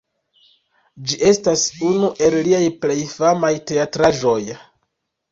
Ĝi estas unu el liaj plej famaj teatraĵoj.